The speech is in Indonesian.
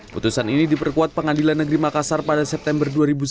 kutusan ini diperkuat pengadilan negeri makassar pada september dua ribu sebelas